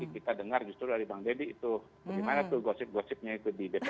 kita dengar justru dari bang deddy itu bagaimana tuh gosip gosipnya itu di dpr